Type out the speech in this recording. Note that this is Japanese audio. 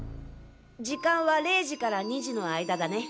時間は０時から２時の間だね。